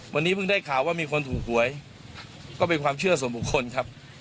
วันนี้เพิ่งได้ข่าวว่ามีคนถูกหวยก็เป็นความเชื่อส่วนบุคคลครับ